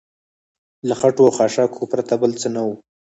له خټو او خاشاکو پرته بل څه نه و.